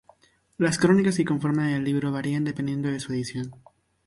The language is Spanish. Las crónicas que conforman el libro varían dependiendo de su edición.